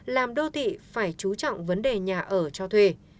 làm đô thị phải chú trọng vấn đề nhà ở cho thuê